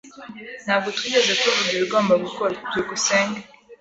Ntabwo twigeze tuvuga ibigomba gukorwa. byukusenge